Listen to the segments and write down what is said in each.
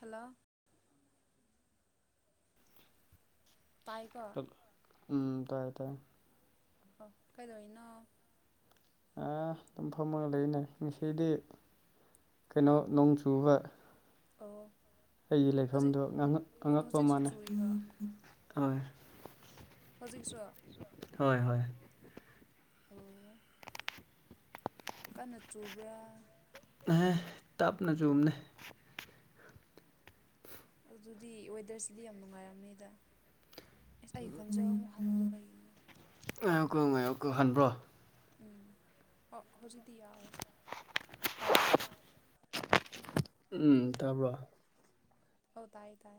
hello ꯇꯥꯏꯀꯣ ꯇꯕ ꯎꯝ ꯇꯥꯏ ꯇꯥꯏ ꯑ ꯀꯩꯗꯧꯋꯤꯅꯣ ꯑꯥ ꯑꯗꯨꯝ ꯐꯝꯃꯒ ꯂꯩꯕꯅꯦ ꯉꯁꯤꯗꯤ ꯀꯩꯅꯣ ꯅꯣꯡ ꯆꯨꯕ ꯑꯣ ꯑꯩꯒꯤ ꯍꯧꯖꯤꯛ ꯂꯩꯐꯝꯗꯣ ꯉꯉꯛ ꯍꯧꯖꯤꯛꯁꯨ ꯑꯉꯛꯄꯃꯥꯅꯦ ꯆꯨꯔꯤꯔꯣ ꯑꯣꯏ ꯍꯧꯖꯤꯛꯁꯨ ꯍꯣꯏ ꯍꯣꯏ ꯑꯣ ꯀꯟꯅ ꯆꯨꯕ꯭ꯔꯥ ꯑꯍꯦ ꯇꯞꯅ ꯆꯨꯝꯅꯦ ꯑꯗꯨꯗꯤ ꯋꯦꯗꯔꯁꯤꯗꯤ ꯌꯥꯝ ꯅꯨꯡꯉꯥꯏꯔꯝꯅꯤꯗ ꯏꯁ ꯑꯩ ꯈꯣꯟꯖꯦꯜ ꯑꯃꯨꯛ ꯍꯥꯟꯕꯗꯣ ꯀꯩꯒꯤꯅꯣ ꯉꯥꯏꯌꯨꯀꯣ ꯉꯥꯏꯌꯨꯀꯣ ꯍꯟꯕ꯭ꯔꯣ ꯎꯝ ꯑꯣ ꯍꯧꯖꯤꯛꯇꯤ ꯌꯥꯔꯦ ꯇꯥꯗ꯭ꯔꯦ ꯎꯝ ꯇꯥꯕ꯭ꯔꯣ ꯑꯣ ꯇꯥꯏ ꯇꯥꯏ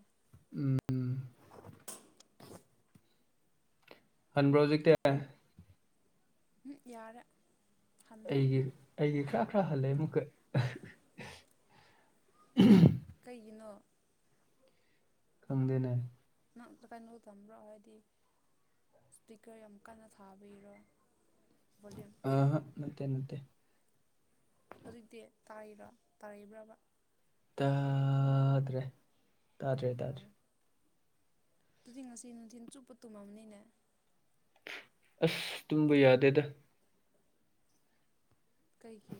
ꯎꯝ [inaudible] ꯍꯟꯕ꯭ꯔꯣ ꯍꯧꯖꯤꯛꯇꯤ ꯎꯝ ꯌꯥꯔꯦ ꯍꯟꯗ꯭ꯔꯦ ꯑꯩꯒꯤ ꯑꯩꯒꯤ ꯈꯔ ꯈꯔ ꯍꯜꯂꯦ ꯑꯃꯨꯛꯀ ꯀꯩꯒꯤꯅꯣ ꯈꯪꯗꯦꯅꯦ ꯀꯩꯅꯣ ꯇꯟꯕ꯭ꯔꯣ ꯍꯥꯢꯗꯤ ꯏꯁꯄꯤꯀꯔ ꯌꯥꯝ ꯀꯟꯅ ꯊꯥꯕꯤꯔꯣ ꯑꯍꯥ ꯅꯠꯇꯦ ꯅꯠꯇꯦ ꯍꯧꯖꯤꯛꯇꯤ ꯇꯥꯔꯤꯔꯣ ꯇꯥꯔꯤꯕ꯭ꯔꯕ ꯇꯥꯗ꯭ꯔꯦ ꯇꯥꯗ꯭ꯔꯦ ꯑꯣ ꯇꯥꯗ꯭ꯔꯦ ꯑꯗꯨꯗꯤ ꯉꯁꯤ ꯅꯨꯡꯊꯤꯟ ꯆꯨꯞꯄ ꯇꯨꯝꯃꯝꯅꯤꯅꯦ ꯑꯁ ꯇꯨꯝꯕ ꯌꯥꯗꯦꯗ ꯀꯩꯒꯤ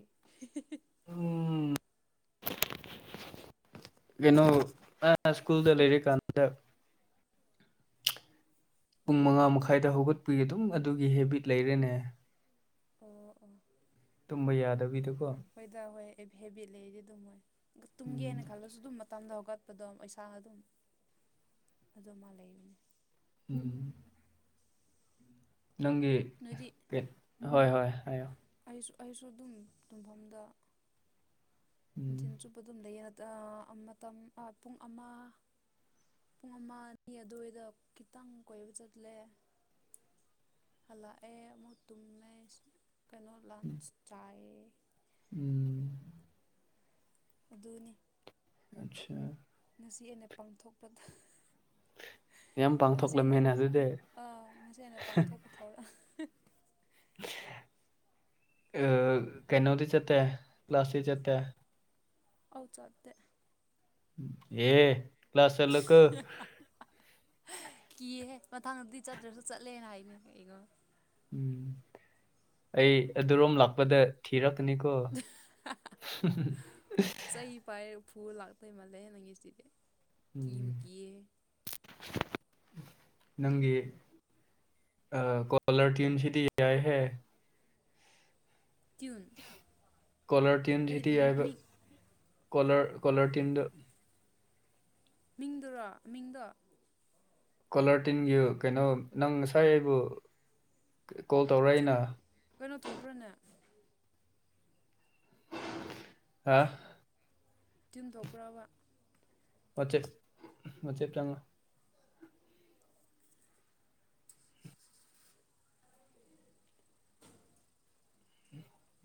ꯎꯝ ꯀꯩꯅꯣ ꯑ ꯏꯁ꯭ꯀꯨꯜꯗꯥ ꯂꯩꯔꯤꯀꯥꯟꯗ ꯄꯨꯡ ꯃꯉꯥ ꯃꯈꯥꯏꯗ ꯍꯧꯒꯠꯄꯒꯤ ꯑꯗꯨꯝ ꯑꯗꯨꯒꯤ ꯍꯦꯕꯤꯠ ꯂꯩꯔꯦꯅꯦ ꯑꯣ ꯑꯣ ꯇꯨꯝꯕ ꯌꯥꯗꯕꯤꯗꯀꯣ ꯍꯣꯏꯗ ꯍꯣꯏ ꯍꯦꯕꯤꯠ ꯂꯩꯔꯗꯤ ꯑꯗꯨꯝ ꯃꯣꯏ ꯎꯝ ꯇꯨꯝꯒꯦꯅ ꯈꯜꯂꯁꯨ ꯑꯗꯨꯝ ꯃꯇꯝꯗ ꯍꯧꯒꯠꯄꯗꯣ ꯏꯁꯥꯅ ꯑꯗꯨꯝ ꯑꯗꯨꯃ ꯂꯩꯕꯅꯤ ꯎꯝ ꯅꯪꯒꯤ ꯅꯣꯏꯗꯤ ꯍꯣꯏ ꯍꯣꯏ ꯍꯥꯏꯌꯣ ꯑꯩꯁꯨ ꯑꯗꯨꯝ ꯇꯨꯝꯐꯝꯗ ꯎꯝ ꯅꯨꯡꯊꯤꯟ ꯆꯨꯞꯄ ꯑꯗꯨꯝ ꯂꯩꯌꯦ ꯃꯇꯝ ꯄꯨꯡ ꯑꯃ ꯄꯨꯡ ꯑꯃ ꯑꯅꯤ ꯑꯗꯨꯋꯥꯏꯗ ꯈꯤꯇꯪ ꯀꯣꯏꯕ ꯆꯠꯂꯦ ꯍꯜꯂꯛꯑꯦ ꯑꯃꯨꯛ ꯇꯨꯝꯃꯦ ꯀꯩꯅꯣ ꯂꯥꯟꯆ ꯆꯥꯏꯌꯦ ꯎꯝ ꯑꯗꯨꯅꯤ ꯑꯆꯥ ꯉꯁꯤ ꯑꯩꯅ ꯄꯡꯊꯣꯛꯄꯗ ꯌꯥꯝ ꯉꯁꯤ ꯑꯩꯅ ꯄꯥꯡꯊꯣꯛꯂꯝꯃꯦꯅ ꯑꯗꯨꯗꯤ ꯑꯥ ꯉꯁꯤ ꯑꯩꯅ ꯄꯥꯡꯊꯣꯛꯄ ꯊꯧꯔꯥꯡ [unintelligible] ꯑ ꯀꯩꯅꯣꯗꯤ ꯆꯠꯇꯦ ꯀ꯭ꯂꯥꯁꯇꯤ ꯆꯠꯇꯦ ꯑꯧ ꯆꯠꯇꯦ ꯌꯦ ꯀ꯭ꯂꯥꯁ ꯆꯠꯂꯨꯀꯣ ꯀꯤꯌꯦꯍꯦ ꯃꯊꯪꯗꯗꯤ ꯆꯠꯇ꯭ꯔꯁꯨ ꯆꯠꯂꯦ ꯍꯥꯏꯅꯤ ꯌꯦꯡꯉꯣ ꯑꯩ ꯑꯗꯨꯔꯣꯝ ꯂꯥꯛꯄꯗ ꯊꯤꯔꯛ [unintelligible] ꯆꯩ ꯄꯥꯏꯔ ꯐꯨ ꯂꯥꯛꯇꯣꯏ ꯃꯥꯜꯂꯦ ꯅꯪꯒꯤꯁꯤꯗꯤ ꯎꯝ ꯀꯤꯕꯨ ꯀꯤꯌꯦꯍꯦ ꯅꯪꯒꯤ ꯑꯥ ꯀꯣꯂꯔ ꯇꯤꯌꯨꯟꯁꯤꯗꯤ ꯌꯥꯏ ꯍꯦ ꯇ꯭ꯌꯨꯟ ꯀꯣꯂꯔ ꯍꯥꯏꯗꯤ ꯇꯤꯌꯨꯟꯁꯤꯗꯤ ꯌꯥꯏꯕ ꯃꯤꯡ ꯀꯣꯂꯔ ꯀꯣꯂꯔ ꯇꯤꯌꯨꯟꯗꯣ ꯃꯤꯡꯗꯨꯔꯣ ꯃꯤꯡꯗꯣ ꯀꯣꯂꯔꯇꯤꯌꯨꯟꯒꯤ ꯀꯩꯅꯣ ꯅꯪ ꯉꯁꯥꯏ ꯑꯩꯕꯨ ꯀꯣꯜ ꯇꯧꯔꯛ ꯇ꯭ꯌꯨꯟ ꯑꯦꯅ ꯀꯩꯅꯣ ꯊꯣꯛꯄ꯭ꯔꯥꯅꯦ ꯑꯥ ꯇꯤꯟ ꯇꯧꯕ꯭ꯔꯥꯕ ꯋꯥꯆꯦꯞ ꯋꯥꯆꯦꯞ ꯆꯪꯉꯣ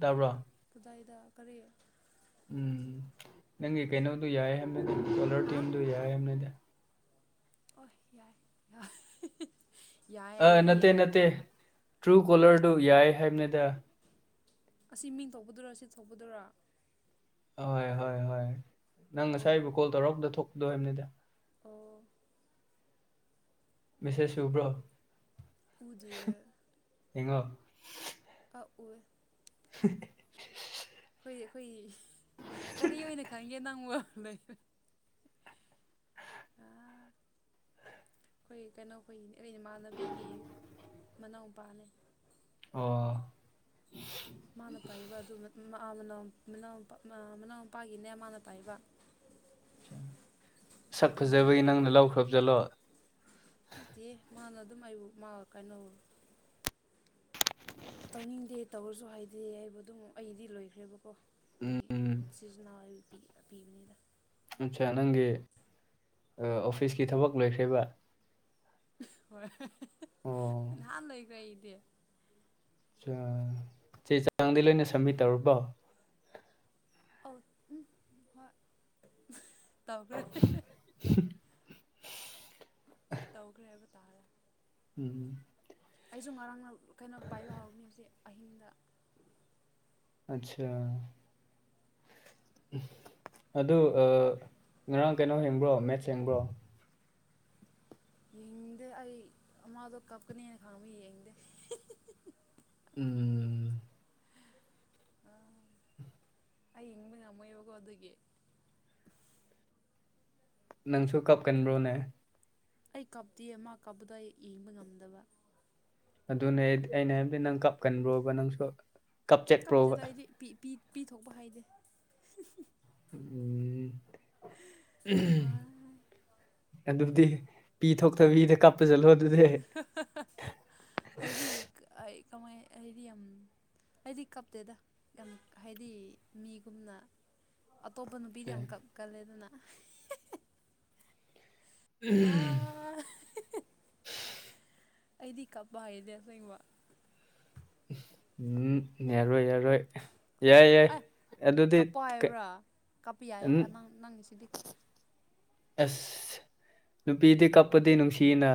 ꯇꯥꯕ꯭ꯔꯣ ꯀꯗꯥꯏꯗ ꯀꯔꯤ ꯎꯝ ꯅꯪꯒꯤ ꯀꯩꯅꯣꯗꯨ ꯌꯥꯏ ꯍꯥꯏꯕꯅꯤꯗ ꯀꯣꯜꯂꯔ ꯍꯥ ꯇꯋꯤꯟꯗꯨ ꯌꯥꯏ ꯌꯥꯏꯕꯅꯤꯗ ꯑꯣ ꯌꯥꯏ ꯌꯥꯏ ꯍꯤꯍꯤ ꯑꯥ ꯅꯠꯇꯦ ꯅꯠꯇꯦ ꯇ꯭ꯔꯨ ꯀꯣꯂꯔꯗꯨ ꯌꯥꯏ ꯍꯥꯏꯕꯅꯤꯗ ꯑꯁꯤ ꯃꯤꯡ ꯊꯧꯛꯄꯗꯨꯔꯣ ꯁꯤ ꯊꯧꯛꯄꯗꯨꯔ ꯍꯣꯏ ꯍꯣꯏ ꯍꯣꯏ ꯅꯪ ꯑꯣ ꯉꯁꯥꯏꯕꯨ ꯀꯣꯜ ꯇꯧꯔꯛꯄꯗ ꯊꯣꯛꯄꯗꯣ ꯍꯥꯏꯕꯅꯤꯗ ꯑꯣ ꯃꯦꯁꯦꯁ ꯎꯕ꯭ꯔꯣ ꯎꯗꯤꯌꯦ ꯌꯦꯡꯉꯣ ꯑꯞ ꯎꯏ ꯍꯤꯍꯤꯍꯤꯍꯤ ꯑꯩꯈꯣꯏ ꯑꯩꯈꯣꯏꯒꯤ ꯀꯔꯤ ꯑꯣꯏꯅ ꯈꯟꯒꯦ ꯅꯪꯕꯨ ꯑꯥ ꯑꯩꯈꯣꯏ ꯀꯩꯅꯣꯈꯣꯏꯒꯤ ꯑꯩ ꯏꯃꯥꯟꯅꯕꯤꯒꯤ ꯃꯅꯥꯎꯄꯥꯅꯦ ꯑꯣ ꯃꯥꯅ ꯄꯥꯏꯕ ꯑꯗꯨ ꯃꯅꯥꯎꯄꯥ ꯃꯅꯥꯎ ꯄꯥꯒꯤꯅꯦ ꯃꯥꯅ ꯄꯥꯏꯕ ꯁꯛ ꯑꯗꯨ ꯃꯥꯅ ꯐꯖꯕꯩ ꯅꯪꯅ ꯂꯥꯎꯈ꯭ꯔꯕꯖꯥꯠꯂꯣ ꯅꯠꯇꯦ ꯃꯥꯅ ꯑꯗꯨꯝ ꯑꯩꯕꯨ ꯃꯥꯒ ꯀꯥꯏꯅꯧ ꯇꯧꯅꯤꯡꯗꯦ ꯇꯧꯔꯁꯨ ꯍꯥꯏꯗꯦ ꯍꯥꯏꯕꯗꯨ ꯑꯩꯒꯤꯗꯤ ꯂꯣꯏꯈ꯭ꯔꯦꯕꯀꯣ ꯎꯝ ꯁꯤꯖꯟꯅꯦꯜ ꯄꯤꯕ ꯄꯤꯕꯅꯤꯗꯥ ꯑꯠꯆꯥ ꯅꯪꯒꯤ ꯑꯥ ꯑꯣꯐꯤꯁꯀꯤ ꯊꯕꯛ ꯂꯣꯏꯈ꯭ꯔꯦꯕꯥ ꯍꯣꯏ ꯍꯤꯍꯤ ꯅꯍꯥꯟ ꯂꯣꯏꯈ꯭ꯔꯦ ꯑꯩꯗꯤ ꯆꯥ ꯆꯦ ꯆꯥꯡꯗꯤ ꯂꯣꯏꯅ ꯁꯦꯝꯃꯤꯠ ꯇꯧꯔꯕꯣ ꯑꯧ ꯎꯝ ꯃꯥ ꯇꯧꯈ꯭ꯔꯦ ꯍꯦꯍꯦ ꯇꯧꯈ꯭ꯔꯦ ꯍꯥꯏꯕ ꯇꯥꯔꯦ ꯎꯝ ꯑꯩꯁꯨ ꯉꯔꯥꯡ ꯅ ꯀꯩꯅꯣ ꯄꯥꯏꯕ ꯍꯥꯎꯕꯅꯤ ꯍꯧꯖꯤꯛ ꯑꯍꯤꯡꯗꯥ ꯑꯠꯁꯥ ꯑꯗꯨ ꯑꯥ ꯉꯔꯥꯡ ꯀꯩꯅꯣ ꯑꯦꯡꯕ꯭ꯔꯣ ꯃꯦꯠꯁ ꯌꯦꯡꯕ꯭ꯔꯣ ꯌꯦꯡꯗꯦ ꯑꯩ ꯑꯃꯗꯤ ꯀꯞꯀꯅꯤꯅ ꯈꯥꯡꯃꯤ ꯌꯦꯡꯗꯦ ꯍꯤꯍꯤꯍꯤ ꯎꯝ ꯎꯝ ꯑꯩ ꯌꯦꯡꯕ ꯉꯝꯃꯣꯏꯕꯀꯣ ꯑꯗꯨꯒꯤ ꯅꯪꯁꯨ ꯀꯞꯀꯟꯕ꯭ꯔꯣꯅꯦ ꯑꯩ ꯀꯞꯇꯤꯌꯦ ꯃꯥ ꯀꯥꯞꯄꯗꯣ ꯑꯩ ꯌꯦꯡꯕ ꯉꯝꯗꯕ ꯑꯗꯨꯅꯦ ꯑꯩꯠ ꯑꯩꯅ ꯍꯥꯏꯕꯗꯤ ꯅꯪ ꯀꯞꯀꯟꯕ꯭ꯔꯣꯕ ꯅꯪꯁꯨ ꯀꯞꯆꯠꯄ꯭ꯔꯣꯕ ꯀꯞꯇꯦꯗ ꯑꯩꯗꯤ ꯄꯤ ꯄꯤ ꯄꯤꯊꯣꯛꯄ ꯍꯩꯇꯦ ꯍꯨꯝ ꯍꯨꯝ [unintelligible] ꯑꯗꯨ ꯗꯤ ꯄꯤ ꯊꯣꯛꯇꯕꯤꯗ ꯀꯞꯄꯖ ꯂꯣꯜ [unintelligible] ꯑꯩꯗꯤ ꯀꯞꯇꯦꯗ ꯌꯥꯝ ꯍꯥꯏꯗꯤ ꯃꯤꯒꯨꯝꯅ ꯑꯇꯣꯞꯄ ꯅꯨꯄꯤꯗꯤ ꯌꯥꯝ ꯀꯞꯀꯜꯂꯦꯗꯨꯅ [unintelligible] ꯎꯝ ꯑꯩꯗꯤ ꯀꯄꯄ ꯍꯩꯗꯦ ꯑꯁꯦꯡꯕ ꯎꯝ ꯌꯥꯔꯣꯏ ꯌꯥꯔꯣꯏ ꯌꯥꯏ ꯌꯥꯏ ꯑꯦ ꯑꯗꯨꯗꯤ ꯀꯞꯄꯣ ꯍꯥꯏꯕ꯭ꯔꯥ ꯀꯞꯄꯤ ꯌꯥꯏ ꯎꯝ ꯑ ꯅꯪ ꯅꯪ ꯁꯤꯗꯤ ꯑꯁ ꯅꯨꯄꯤꯗꯤ ꯀꯞꯄꯗꯤ ꯅꯨꯡꯁꯤꯌꯦꯅ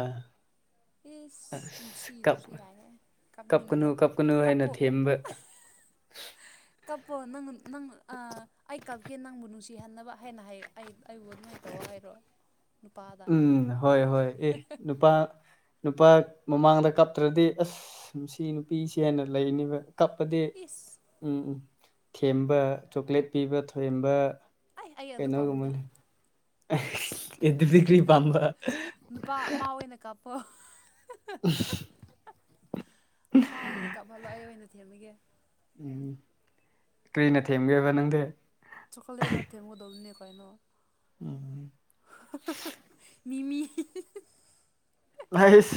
ꯏꯁ ꯑꯁ ꯀꯞ ꯅꯨꯡꯁꯤꯗ꯭ꯔꯁꯨ ꯌꯥꯏꯍꯦ ꯀꯞꯀꯅꯨ ꯀꯞꯅꯤꯡꯗꯦ ꯀꯞꯀꯅꯨ ꯍꯥꯏꯅ ꯀꯞꯄꯣ ꯊꯦꯝꯕ [inaudible] ꯀꯞꯄꯣ ꯅꯪ ꯅꯪ ꯑ ꯑꯩ ꯀꯞꯀꯦ ꯅꯪꯕꯨ ꯅꯨꯡꯁꯤꯍꯟꯅꯕ ꯍꯥꯏꯅ ꯍꯥꯏ ꯑꯩ ꯑꯩꯕꯨ ꯑꯗꯨꯃꯥꯏꯅ ꯇꯧꯋꯣ ꯍꯥꯏꯔꯛꯑꯣ ꯎꯝ ꯍꯣꯏ ꯍꯣꯏ ꯑꯦ ꯅꯨꯄꯥ ꯅꯨꯄꯥ ꯃꯃꯥꯡꯗ ꯀꯥꯞꯇ꯭ꯔꯗꯤ ꯑꯁ ꯁꯤ ꯅꯨꯄꯤꯁꯤ ꯍꯥꯏꯅ ꯂꯩꯅꯤꯕ ꯀꯞꯄꯗꯤ ꯏꯁ ꯎꯝ ꯊꯦꯝꯕ ꯆꯣꯀ꯭ꯂꯦꯠ ꯄꯤꯕ ꯊꯦꯝꯕ ꯑꯩ ꯑꯩ ꯑꯗꯨ ꯄꯥꯝꯗꯦ ꯑꯩꯁ ꯑꯗꯨꯗꯤ ꯀꯔꯤ ꯄꯥꯝꯕ ꯅꯨꯄꯥ ꯃꯥ [unintelligible] ꯃꯥ ꯑꯣꯏꯅ ꯀꯥꯞꯍꯜꯂꯣ ꯑꯩ ꯑꯣꯏꯅ ꯊꯦꯝꯕꯤꯒꯦ ꯎꯝ ꯀꯔꯤꯅ ꯊꯦꯝꯒꯦꯕ ꯍꯥꯏꯕ ꯅꯪꯗꯤ ꯆꯣꯀꯣꯂꯦꯠꯅ ꯊꯦꯝꯒꯗꯧꯅꯤ ꯀꯩꯅꯣ ꯎꯝ [unintelligible] ꯃꯤꯃꯤ ꯑꯩꯁ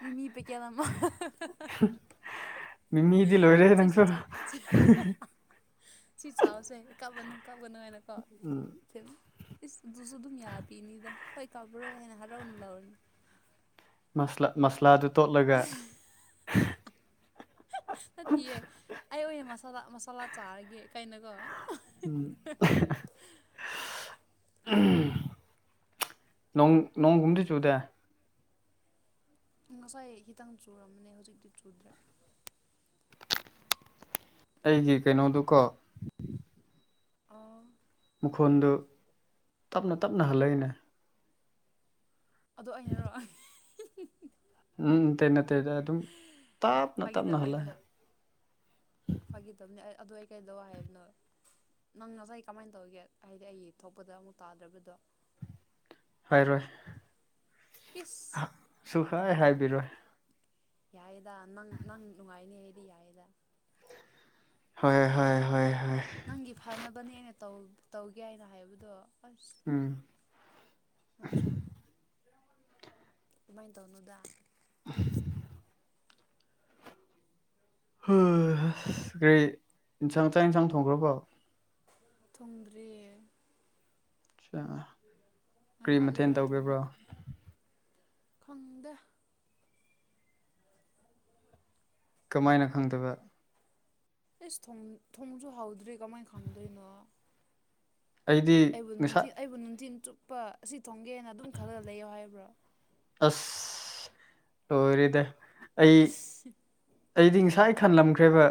ꯃꯤꯃꯤ ꯄꯦꯀꯦꯠ ꯑꯃ [unintelligible] ꯃꯤꯃꯤꯗꯤ ꯂꯣꯏꯔꯦ ꯆꯦꯁꯤ ꯅꯪꯁꯨ ꯆꯥ [unintelligible] ꯁꯤ ꯆꯥꯎꯁꯦ ꯀꯞꯄꯅꯨ ꯀꯞꯄꯅꯨ ꯍꯥꯏꯅ ꯀꯣ ꯏꯁ ꯑꯗꯨꯁꯨ ꯑꯗꯨꯝ ꯌꯥꯕꯤꯅꯤꯗ ꯍꯣꯏ ꯀꯥꯞꯕ꯭ꯔꯣꯏ ꯍꯥꯏꯅ ꯍꯔꯥꯎꯅ ꯂꯧꯎꯅꯤ ꯃꯁ꯭ꯂꯥ ꯃꯁꯂꯥꯗꯨ ꯇꯣꯠꯂꯒ [unintelligible] ꯅꯠꯇꯤꯌꯦ ꯑꯩ ꯑꯣꯏꯅ ꯃꯁꯥꯂ ꯃꯁꯥꯂꯥ ꯆꯥꯔꯒꯦ ꯀꯩꯅꯒꯣ [unintelligible] ꯅꯣꯡ ꯅꯣꯡꯒꯨꯝꯗꯤ ꯆꯨꯗꯦ ꯉꯁꯥꯏ ꯈꯤꯇꯪ ꯆꯨꯨꯔꯝꯕꯅꯦ ꯍꯧꯖꯤꯛꯇꯤ ꯆꯨꯗ꯭ꯔꯦ ꯑꯩꯒꯤ ꯀꯩꯅꯣꯗꯨꯀꯣ ꯑꯣ ꯃꯈꯨꯟꯗꯨ ꯇꯞꯅ ꯇꯞꯅ ꯍꯜꯂꯛꯏꯅꯦ ꯑꯗꯣ ꯑꯩꯅꯔꯣ [unintelligible] ꯎꯝ ꯇꯦ ꯅꯠꯇꯦꯗ ꯑꯗꯨꯝ ꯇꯞꯅ ꯇꯞꯅ ꯍꯜꯂꯑꯦ ꯐꯒꯤꯇꯧꯎꯅꯦ ꯑꯗꯨ ꯑꯩ ꯀꯩꯗꯧ ꯍꯥꯏꯕꯅꯣ ꯅꯪ ꯉꯁꯥꯏ ꯀꯃꯥꯏꯟ ꯇꯧꯒꯦ ꯍꯥꯏꯗꯤ ꯑꯩ ꯊꯣꯛꯄꯗ ꯑꯃꯨꯛ ꯇꯥꯗ꯭ꯔꯕꯗꯣ ꯔꯣꯏ ꯏꯁ ꯁꯨꯍꯥꯏ ꯐꯠꯇꯕꯗꯣ ꯍꯥꯏꯕꯤꯔꯣꯏ ꯌꯥꯏꯌꯦꯗ ꯅꯪ ꯅꯪ ꯅꯨꯡꯉꯥꯏꯅꯤ ꯗꯤ ꯌꯥꯏꯌꯦꯗ ꯍꯣꯏ ꯍꯣꯏ ꯍꯣꯏ ꯍꯣꯏ ꯅꯪꯒꯤ ꯐꯅꯕꯅꯦ ꯑꯩꯅ ꯇꯧ ꯇꯧꯒꯦ ꯍꯥꯏꯅ ꯍꯥꯏꯕꯗꯣ ꯑ ꯎꯝ ꯅꯪꯁꯨ ꯑꯗꯨꯃꯥꯏꯟ ꯇꯧꯅꯨꯗ [inaudible] ꯍꯥ ꯀꯔꯤ ꯏꯟꯁꯥꯡ ꯆꯥꯌꯦꯟꯁꯥꯡ ꯊꯣꯡꯈ꯭ꯔꯣꯕꯣ ꯊꯨꯡꯗ꯭ꯔꯤ [unintelligible] ꯀꯔꯤ ꯉꯥꯏꯍꯥꯛ ꯃꯊꯦꯜ ꯂꯩꯔ ꯊꯨꯡꯉꯨ ꯇꯧꯒꯦꯕ꯭ꯔꯣ ꯈꯪꯗꯦ ꯀꯃꯥꯏꯅ ꯈꯪꯗꯕ ꯑꯦꯁ ꯊꯣꯡ ꯊꯣꯡꯁꯨ ꯍꯥꯎꯗ꯭ꯔꯤ ꯀꯃꯥꯏ ꯈꯪꯗꯣꯏꯅꯣ ꯑꯩꯗꯤ ꯑꯩꯕꯨ ꯅꯨꯡꯊꯤ ꯉꯁꯥꯏ ꯑꯩꯕꯨ ꯅꯨꯡꯊꯤꯜ ꯆꯨꯞꯄ ꯑꯁꯤ ꯊꯣꯡꯒꯦꯅ ꯑꯗꯨꯝ ꯈꯜꯂ ꯂꯩꯌꯣ ꯍꯥꯏꯕ꯭ꯔꯣ ꯑꯁ ꯂꯣꯏꯔꯦꯗ ꯑꯩ ꯏꯁ ꯑꯩꯗꯤ ꯉꯁꯥꯏ ꯈꯜꯂꯝꯈ꯭ꯔꯦꯕ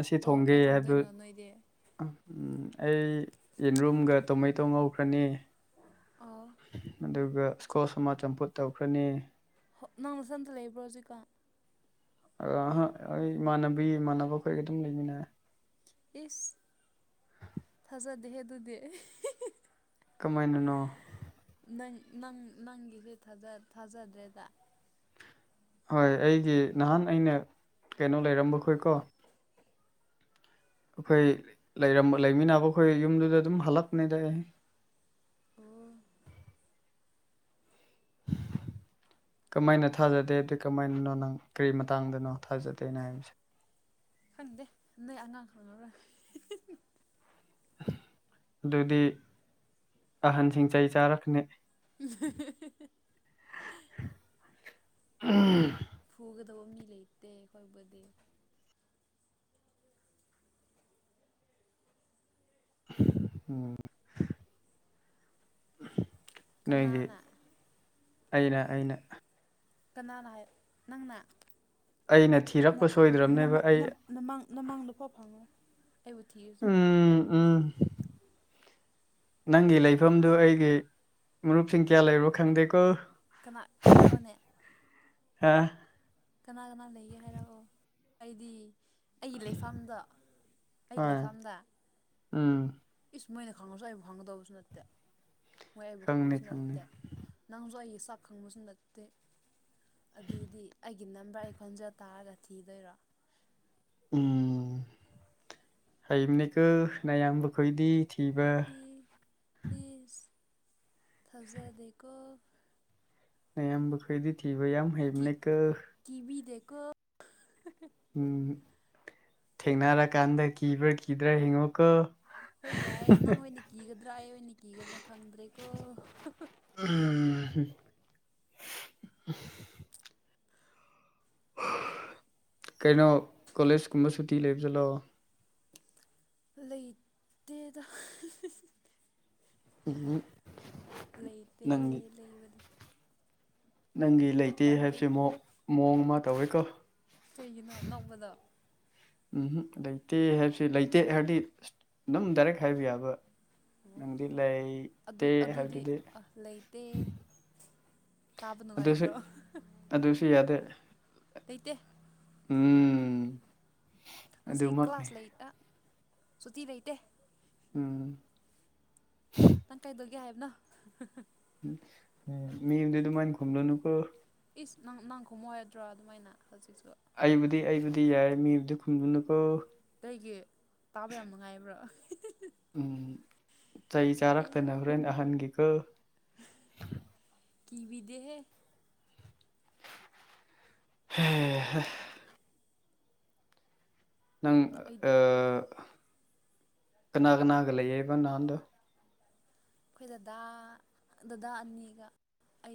ꯑꯁꯤ ꯑꯣ ꯊꯣꯡꯒꯦ ꯀꯩ ꯍꯥꯏꯗꯣ ꯊꯣꯡꯗꯣꯏꯅꯣ ꯅꯣꯏꯗꯤ ꯎꯝ ꯑꯩ ꯌꯦꯟꯔꯨꯝꯒ ꯇꯣꯃꯦꯇꯣ ꯉꯧꯈ꯭ꯔꯅꯤ ꯑꯣ ꯑꯗꯨꯒ ꯏꯁꯀꯣꯁ ꯑꯃ ꯆꯝꯐꯨꯠ ꯇꯧꯈ꯭ꯔꯅꯤ ꯍꯣ ꯅꯪꯊꯟꯇ ꯂꯩꯕ꯭ꯔꯣ ꯍꯧꯖꯤꯛꯀꯥꯟ ꯑꯥꯍꯥ ꯑꯩ ꯏꯃꯥꯟꯅꯕꯤ ꯏꯃꯥꯟꯅꯕ ꯈꯣꯏꯒ ꯑꯗꯨꯝ ꯂꯩꯃꯤꯟꯅꯩꯌꯦ ꯏꯁ ꯊꯖꯗꯦꯍꯦ ꯑꯗꯨꯗꯤ ꯀꯃꯥꯏꯅꯅꯣ ꯅꯪ ꯅꯪ ꯅꯪꯒꯤꯁꯦ ꯊꯥꯖ ꯊꯥꯖꯗ꯭ꯔꯦꯗ ꯍꯣꯏ ꯑꯩꯒꯤ ꯅꯍꯥꯟ ꯑꯩꯅ ꯀꯩꯅꯣ ꯂꯩꯔꯝꯕꯈꯣꯏꯀꯣ ꯑꯩꯈꯣꯏ ꯂꯩꯔꯝꯕ ꯂꯩꯃꯤꯟꯅꯕ ꯈꯣꯏ ꯌꯨꯝꯗꯨꯗ ꯑꯗꯨꯝ ꯍꯜꯂꯛꯄꯅꯦꯗ ꯍꯦ ꯑꯣ [inaudible] ꯀꯃꯥꯏꯅ ꯊꯥꯖꯗꯦꯗꯤ ꯀꯃꯥꯏꯅꯅꯣ ꯅꯪ ꯀꯔꯤ ꯃꯇꯥꯡꯗꯅꯣ ꯊꯥꯖꯗꯦꯅ ꯍꯥꯏꯕꯁꯦ ꯈꯪꯗꯦ ꯅꯣꯏ ꯑꯉꯥꯡ ꯈꯪꯉꯔꯣꯏ [unintelligible] ꯑꯗꯨꯗꯤ ꯑꯍꯟꯁꯤꯡ ꯆꯩ ꯆꯥꯔꯛꯀꯅꯤ [unintelligible] [unintelligible] ꯐꯨꯒꯗꯧꯕ ꯃꯤ ꯂꯩꯇꯦ ꯑꯩꯈꯣꯏꯕꯨꯗꯤ [inaudible] [inaudible] ꯅꯣꯏꯒꯤ ꯀꯅꯥꯅ ꯑꯩꯅ ꯑꯩꯅ ꯀꯅꯥꯅ ꯍꯥꯏ ꯅꯪꯅ ꯑꯩꯅ ꯊꯤꯔꯛꯄ ꯁꯣꯏꯗ꯭ꯔꯕꯅꯦꯕ ꯑꯩ ꯅꯃꯥꯡꯗꯐꯥꯎ ꯐꯪꯉꯣꯢ ꯑꯩꯕꯨ ꯊꯤꯔꯁꯨ ꯑꯝ ꯅꯪꯒꯤ ꯂꯩꯐꯝꯗꯨ ꯑꯩꯒꯤ ꯃꯔꯨꯞꯁꯤꯡ ꯀꯌꯥ ꯂꯩꯔꯣ ꯈꯪꯗꯦꯀꯣ ꯀꯅꯥ ꯍꯥꯏꯔꯛꯑꯣꯅꯦ ꯑꯥ ꯀꯅꯥ ꯀꯅꯥ ꯂꯩꯒꯦ ꯍꯥꯏꯔꯛꯑꯣ ꯑꯩꯗꯤ ꯑꯩꯒꯤ ꯂꯩꯐꯝꯗꯣ ꯑꯩꯒꯤ ꯍꯣꯏ ꯂꯩꯐꯝꯗ ꯎꯝ ꯑꯥ ꯃꯣꯏꯅ ꯈꯪꯉꯁꯨ ꯑꯩꯕꯨ ꯈꯪꯒꯗꯕꯁꯨ ꯅꯠꯇꯦ ꯃꯣꯏ ꯑꯩꯕꯨ ꯈꯪꯅꯤ ꯈꯪꯕꯁꯨ ꯈꯪꯅꯤ ꯅꯠꯇꯦ ꯅꯪꯁꯨ ꯑꯩꯒꯤ ꯆꯥꯛ ꯈꯪꯕꯁꯨ ꯅꯠꯇꯦ ꯑꯗꯨꯗꯤ ꯑꯩꯒꯤ ꯅꯝꯕꯔ ꯑꯩ ꯈꯣꯟꯖꯦꯜ ꯇꯥꯔꯒ ꯊꯤꯗꯣꯏꯔꯣ ꯎꯝ ꯍꯩꯕꯅꯤꯀꯣ ꯅꯌꯥꯝꯕ ꯈꯣꯢꯗꯤ ꯊꯤꯕ ꯊꯥꯖꯥꯗꯦꯀꯣ ꯅꯌꯥꯝꯕꯈꯣꯏꯗꯤ ꯊꯤꯕ ꯌꯥꯝ ꯍꯩꯕꯅꯦꯀꯣ ꯀꯣ ꯎꯝ ꯊꯦꯡꯅꯔꯀꯥꯟꯗ ꯀꯤꯕ꯭ꯔꯥ ꯀꯤꯗ꯭ꯔꯥ ꯍꯤꯡꯉꯣꯀꯣ ꯍꯣꯏ ꯌꯥꯏ ꯅꯪ ꯑꯣꯏꯅ ꯀꯤꯒꯗ꯭ꯔꯥ ꯑꯩ ꯑꯣꯏꯅ ꯀꯤꯒꯗ꯭ꯔꯥ ꯈꯪꯗ꯭ꯔꯦꯀꯣ ꯍꯥꯍꯥ ꯎꯝ ꯀꯩꯅꯣ ꯀꯣꯂꯦꯖ ꯀꯨꯝꯕ ꯁꯨꯇꯤ ꯂꯩꯕꯖꯥꯠꯂꯣ ꯂꯩꯇꯦꯗ ꯍꯤꯍꯤꯍꯤ ꯎꯝ ꯂꯩꯇꯦ ꯅꯪꯒꯤ ꯂꯩꯕꯗꯤ ꯅꯪꯒꯤ ꯂꯩꯇꯦ ꯇꯟꯕꯩ ꯍꯥꯏꯕꯁꯦꯃꯨꯛ ꯃꯑꯣꯡ ꯑꯃ ꯇꯧꯋꯦꯀꯣ ꯀꯩꯒꯤꯅꯣ ꯅꯣꯛꯕꯗꯣ ꯎꯝꯍꯝ ꯂꯩꯇꯦ ꯍꯥꯏꯕꯁꯤ ꯂꯩꯇꯦ ꯍꯥꯏꯕꯗꯤ ꯑꯗꯨꯝ ꯗꯥꯏꯔꯦꯛ ꯍꯥꯏꯕ ꯌꯥꯕ ꯑꯣ ꯅꯪꯗꯤ ꯂꯩ ꯑꯗꯨ ꯇꯦ ꯑꯗꯨꯗꯤ ꯍꯥꯏꯕꯗꯨꯗꯤ ꯑ ꯂꯩꯇꯦ ꯇꯥꯕ ꯑꯗꯨꯁꯨ ꯅꯨꯡꯉꯥꯏꯇ꯭ꯔꯣ ꯑꯗꯨꯁꯨ ꯌꯥꯗꯦ ꯂꯩꯇꯦ ꯎꯝ ꯉꯁꯤ ꯑꯗꯨꯃꯛꯅꯤ ꯀ꯭ꯂꯥꯁ ꯂꯩꯇ ꯑꯤ ꯁꯨꯇꯤ ꯂꯩꯇꯦ ꯎꯝ ꯅꯪ ꯀꯥꯏꯗꯧꯒꯦ ꯍꯥꯏꯕꯅꯣ ꯍꯤꯍꯤ ꯃꯤꯉꯣꯟꯗ ꯑꯗꯨꯃꯥꯏꯅ ꯈꯨꯝꯂꯨꯅꯨ ꯀꯣ ꯏꯁ ꯅꯪ ꯅꯪ ꯈꯣꯡꯃꯣ ꯍꯥꯢꯗ꯭ꯔꯣ ꯑꯗꯨꯃꯥꯏꯅ ꯍꯧꯖꯤꯛꯁꯨ ꯑꯩꯕꯨꯗꯤ ꯑꯩꯕꯨꯗꯤ ꯌꯥꯏ ꯃꯤꯕꯨꯗꯤ ꯈꯨꯝꯂꯨꯅꯨꯀꯣ ꯑꯩꯒꯤ ꯇꯥꯕ ꯌꯥꯝ ꯅꯨꯡꯉꯥꯏꯕ꯭ꯔꯣ ꯍꯤꯍꯤ ꯎꯝ ꯆꯩ ꯆꯥꯔꯛꯇꯅ ꯍꯣꯔꯦꯟ ꯑꯍꯟꯒꯤꯀꯣ ꯀꯤꯕꯤꯗꯦꯍꯦ ꯍꯦꯍꯦ ꯅꯪ ꯑꯩ ꯑꯥ ꯀꯅꯥ ꯀꯅꯥꯒ ꯂꯩꯌꯦꯕ ꯅꯍꯥꯟꯗꯣ ꯑꯩꯈꯣꯏ ꯗꯗꯥ ꯗꯗꯥ ꯑꯅꯤꯒ ꯑꯩ